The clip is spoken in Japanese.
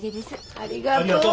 ありがとう。